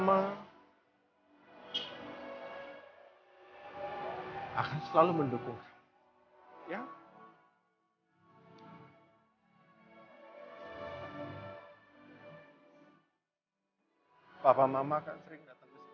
aku sering datang ke sini